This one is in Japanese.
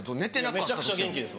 めちゃくちゃ元気です僕。